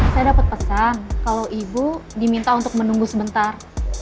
saya dapat pesan kalau ibu diminta untuk menunggu sebentar